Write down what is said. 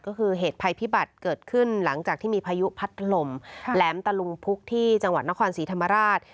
ก็คือเหตุภัยพิบัติเกิดขึ้นหลังจากที่มีพายุพัดถล่มแหลมตะลุมพุกที่จังหวัดนครศรีธรรมราช